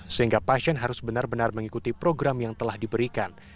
sehingga pasien harus benar benar mengikuti program yang telah diberikan